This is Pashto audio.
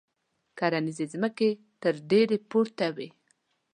کرنیزې ځمکې ترې ډېرې پورته وې.